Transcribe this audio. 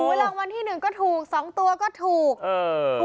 โอ้โหรางวัลที่หนึ่งก็ถูกสองตัวก็ถูกเออ